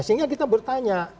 sehingga kita bertanya